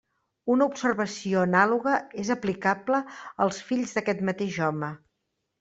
Una observació anàloga és aplicable als fills d'aquest mateix home.